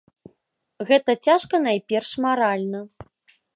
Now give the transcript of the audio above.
Гэта цяжка найперш маральна.